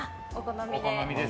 お好みで。